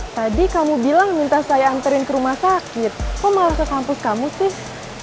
tadi kamu bilang minta saya anterin ke rumah sakit kok malah ke kampus kamu sih